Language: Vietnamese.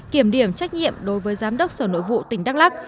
kiểm điểm trách nhiệm đối với giám đốc sở nội vụ tỉnh đắk lắc